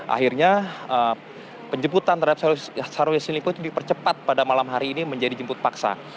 akhirnya penjemputan terhadap syahrul yassin limpo itu dipercepat pada malam hari ini menjadi jemput paksa